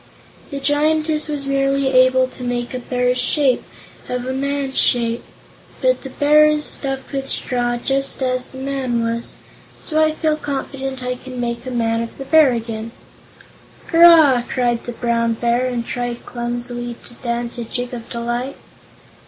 The Giantess was merely able to make a bear's shape of a man's shape, but the bear is stuffed with straw, just as the man was. So I feel confident I can make a man of the bear again." "Hurrah!" cried the Brown Bear, and tried clumsily to dance a jig of delight.